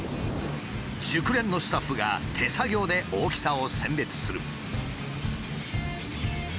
熟練のスタッフが手作業で大きさを選別する。